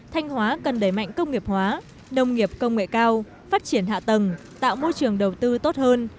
thanh hóa cần đẩy mạnh công nghiệp hóa nông nghiệp công nghệ cao phát triển hạ tầng tạo môi trường đầu tư tốt hơn